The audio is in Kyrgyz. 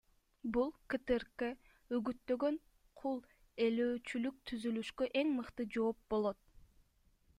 Бул КТРК үгүттөгөн кул ээлөөчүлүк түзүлүшкө эң мыкты жооп болот.